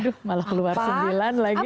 aduh malah keluar sembilan lagi